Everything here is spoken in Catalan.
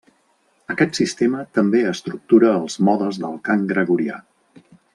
Aquest sistema també estructura els modes del Cant gregorià.